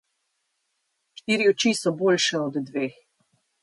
Štiri oči so boljše od dveh.